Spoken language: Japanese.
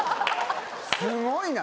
すごいな！